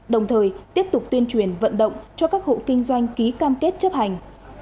đồng thời tiếp tục tuyên truyền vận động cho các hộ kinh doanh ký cam kết chấp hành